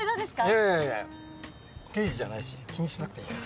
いやいやいや刑事じゃないし気にしなくていいから。